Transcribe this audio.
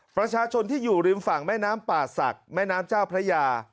ประชาชนที่อยู่ริมฝั่งแม่น้ำป่าศักดิ์แม่น้ำเจ้าพระยา